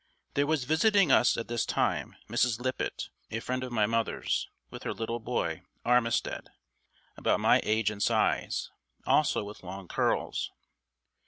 There was visiting us at this time Mrs. Lippitt, a friend of my mother's, with her little boy, Armistead, about my age and size, also with long curls.